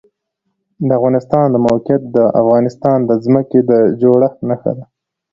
د افغانستان د موقعیت د افغانستان د ځمکې د جوړښت نښه ده.